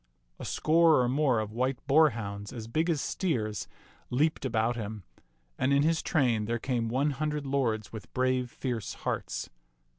A score or more of white boarhounds as big as steers leaped about him, and in his train there came one hundred lords with brave, fierce hearts.